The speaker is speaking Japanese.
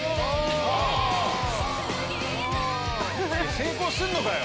成功すんのかよ！